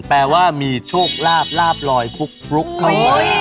แปลว่ามีโชคลาภลาบลอยฟลุกเข้ามา